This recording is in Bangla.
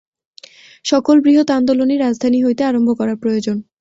সকল বৃহৎ আন্দোলনই রাজধানী হইতে আরম্ভ করা প্রয়োজন।